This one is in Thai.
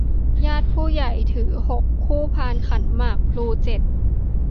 ญาติผู้ใหญ่ถือ หก คู่พานขันหมากพลู เจ็ด